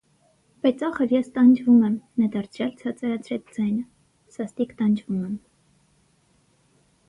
Բայց ախր ես տանջվում եմ,- նա դարձյալ ցածրացրեց ձայնը,- սաստիկ տանջվում եմ…